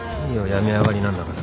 病み上がりなんだから。